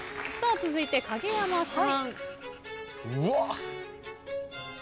続いて克実さん。